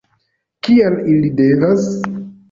Kial ili devas?